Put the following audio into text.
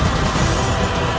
aku akan menang